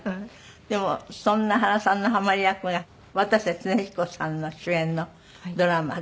でもそんな原さんのハマり役が渡瀬恒彦さんの主演のドラマで。